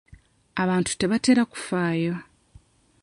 Abantu tebatera kufaayo.